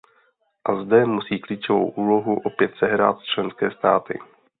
A zde musí klíčovou úlohu opět sehrát členské státy.